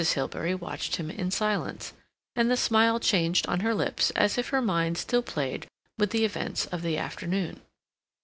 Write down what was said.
Hilbery watched him in silence, and the smile changed on her lips as if her mind still played with the events of the afternoon.